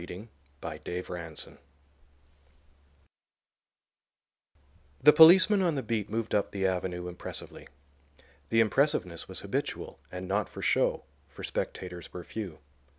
AFTER TWENTY YEARS The policeman on the beat moved up the avenue impressively. The impressiveness was habitual and not for show, for spectators were few.